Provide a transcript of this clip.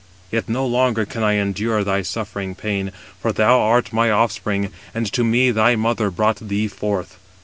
Yet no longer can I endure thy suffering pain, for thou art my offspring, and to me thy mother brought thee forth.